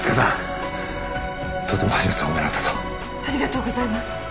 ありがとうございます！